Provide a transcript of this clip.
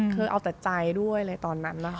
คือเอาแต่ใจด้วยเลยตอนนั้นนะคะ